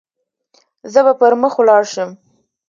زه به پر مخ ولاړ شم.